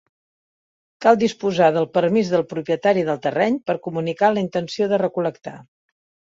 Cal disposar del permís del propietari del terreny per comunicar la intenció de recol·lectar.